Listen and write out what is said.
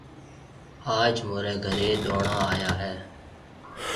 آج مهوريَ گھري ڏوڻا آيا هيَ۔